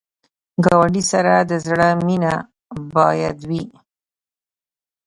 ګاونډي سره د زړه مینه باید وي